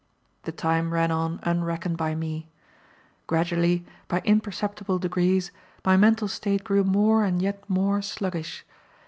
The time ran on unreckoned by me. Gradually, by imperceptible degrees, my mental state grew more and yet more sluggish.